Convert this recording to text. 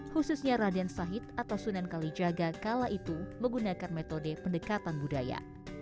khususnya raden sahid atau sunan kalijaga kala itu menggunakan metode pendekatan budaya